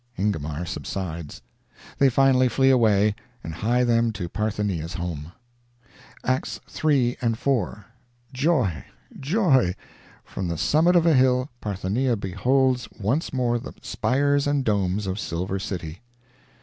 Ingomar subsides. They finally flee away, and hie them to Parthenia's home. ACTS III and IV.—Joy! Joy! From the summit of a hill, Parthenia beholds once more the spires and domes of Silver City.